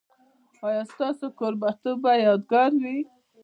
ایا ستاسو کوربه توب به یادګار وي؟